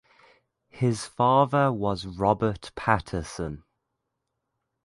His father was Robert Paterson.